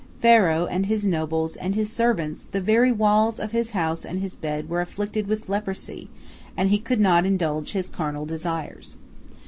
Pharaoh, and his nobles, and his servants, the very walls of his house and his bed were afflicted with leprosy, and he could not indulge his carnal desires.